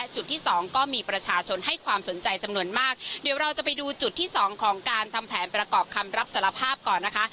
จุดที่สองก็มีประชาชนให้ความสนใจจำนวนมากเดี๋ยวเราจะไปดูจุดที่สองของการทำแผนประกอบคำรับสารภาพก่อนนะคะ